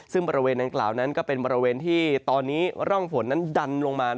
ซึ่งบริเวณดังกล่าวนั้นก็เป็นบริเวณที่ตอนนี้ร่องฝนนั้นดันลงมา